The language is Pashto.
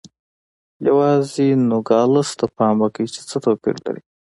یوازې نوګالس ته پام وکړئ چې څه توپیر لري.